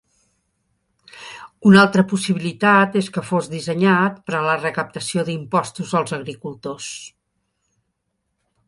Una altra possibilitat és què fos dissenyat per a la recaptació d'impostos als agricultors.